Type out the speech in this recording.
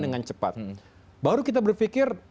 dengan cepat baru kita berpikir